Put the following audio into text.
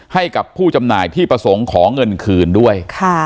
ให้กับผู้จำหน่ายที่ประสงค์ขอเงินคืนด้วย